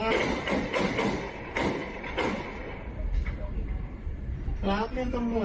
อุ้ยไม่เห็นก่อท้ออ่ะ